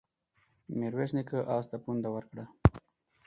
ميرويس نيکه آس ته پونده ورکړه.